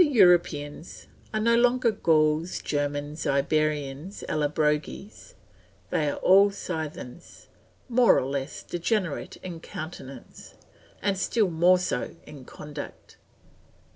Europeans are no longer Gauls, Germans, Iberians, Allobroges; they are all Scythians, more or less degenerate in countenance, and still more so in conduct.